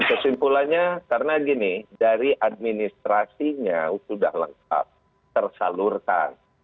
kesimpulannya karena gini dari administrasinya sudah lengkap tersalurkan